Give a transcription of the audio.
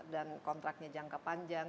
dan kontraknya jangka panjang